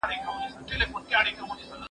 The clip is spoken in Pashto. زه پرون زده کړه وکړه!!